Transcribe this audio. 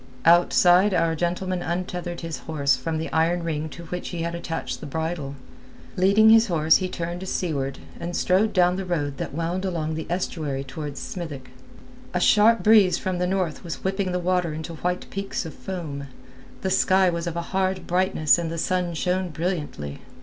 Outside our gentleman untethered his horse from the iron ring to which he had attached the bridle; leading his horse he turned seaward and strode down the road that wound along the estuary towards Smithick. A sharp breeze from the north was whipping the water into white peaks of foam; the sky was of a hard brightness and the sun shone brilliantly.